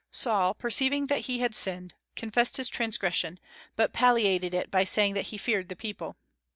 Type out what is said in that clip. Saul, perceiving that he had sinned, confessed his transgression, but palliated it by saying that he feared the people.